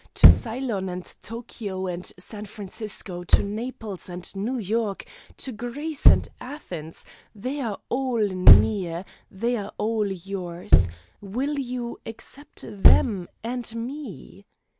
To Ceylon and Tokio and San Francisco, to Naples and New York, to Greece and Athens. They are all near. They are all yours. Will you accept them and me?"